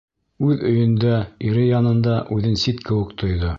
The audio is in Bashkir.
Үҙ өйөндә, ире янында үҙен сит кеүек тойҙо.